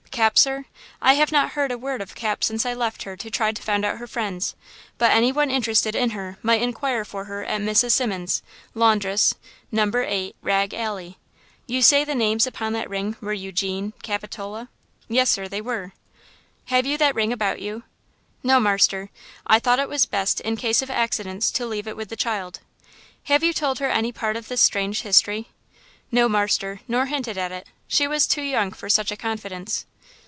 "Cap, sir? I have not heard a word of Cap since I left her to try to find out her friends. But any one interested in her might inquire for her at Mrs. Simmons', laundress, No. 8 Rag Alley." "You say the names upon that ring were Eugene–Capitola?" "Yes, sir, they were." "Have you that ring about you?" "No, marster. I thought it was best in case of accidents to leave it with the child." "Have you told her any part of this strange history?" "No, marster, nor hinted at it; she was too young for such a confidence."